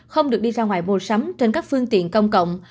không được đi ra ngoài mua sắm trên các phương tiện công cộng